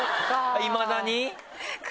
いまだに？